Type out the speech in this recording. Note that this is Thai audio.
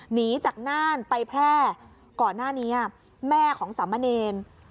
หนีจากน่านไปแพร่ก่อนหน้านี้แม่ของสามเณร